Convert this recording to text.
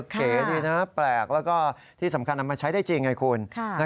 เก๋ดีนะแปลกแล้วก็ที่สำคัญเอามาใช้ได้จริงไงคุณ